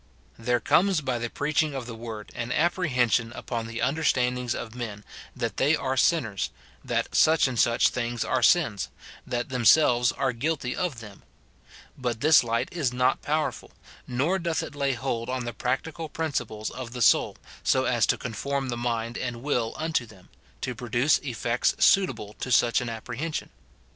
There * 1 Cor. XV. 3 J 1 Pet. i. 18, 19, v. 1, 2 ; Col. i. 13, 14. SIN IN BELIEVERS 305 comes by the preaching of the word an apprehension upon the understandings of men that they are sinners, that such and such things are sins, that themselves are guilty of them ; but this light is not powerful, nor doth it lay hold on the practical principles of the soul, so aa to conform the mind and will unto them, to produce effects suitable to such an apprehension.